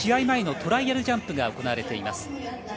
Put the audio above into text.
前のトライアルジャンプが行われています。